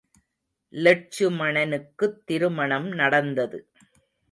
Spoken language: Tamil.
லெட்சுமணனுக்குத் திருமணம் நடந்தது.